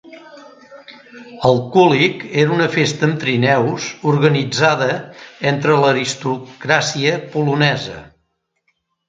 El "kulig" era una festa amb trineus organitzada entre l'aristocràcia polonesa.